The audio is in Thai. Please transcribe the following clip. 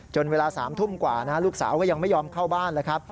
เวลา๓ทุ่มกว่าลูกสาวก็ยังไม่ยอมเข้าบ้านเลยครับ